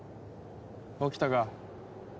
起きたか。